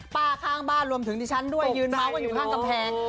ข้างบ้านรวมถึงดิฉันด้วยยืนเมาส์กันอยู่ข้างกำแพง